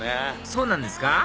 そうなんですか？